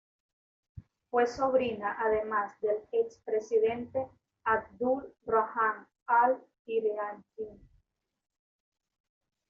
Fue sobrina, además, del ex presidente Abdul Rahman al-Iryani.